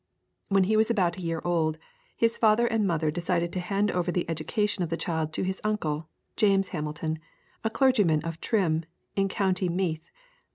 When he was about a year old, his father and mother decided to hand over the education of the child to his uncle, James Hamilton, a clergyman of Trim, in County Meath.